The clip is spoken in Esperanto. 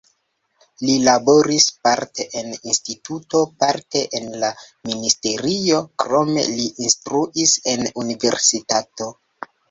Li laboris parte en instituto, parte en la ministerio, krome li instruis en universitato.